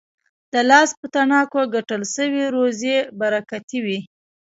د لاس په تڼاکو ګټل سوې روزي برکتي وي.